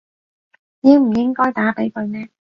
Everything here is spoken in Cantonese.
應唔應該打畀佢呢